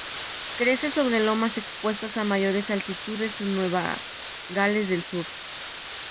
Crece sobre lomas expuestas a mayores altitudes en Nueva Gales del Sur.